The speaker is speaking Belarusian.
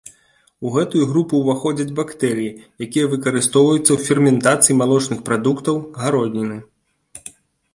У гэтую групу ўваходзяць бактэрыі, якія выкарыстоўваюцца ў ферментацыі малочных прадуктаў, гародніны.